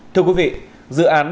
thưa quý vị